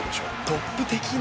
トップ的な。